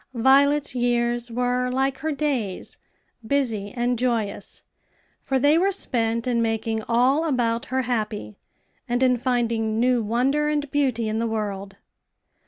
Violet's years were like her days busy and joyous; for they were spent in making all about her happy, and in finding new wonder and beauty in the world.